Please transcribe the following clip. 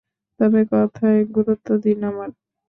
তবে কথায় গুরুত্ব দিন আমার।